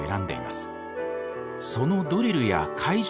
そのドリルや会場